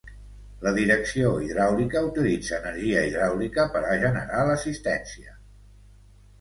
La direcció hidràulica utilitza energia hidràulica per a generar l'assistència.